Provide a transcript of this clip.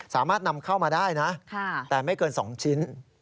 สามารถนำเข้ามาได้นะแต่ไม่เกิน๒ชิ้น